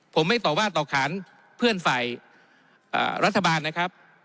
ผมไม่ต่อว่าต่อขานเพื่อนฝ่ายรัฐบาลนะครับ